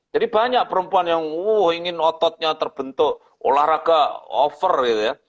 jadi banyak perempuan yang ingin ototnya terbentuk olahraga over gitu ya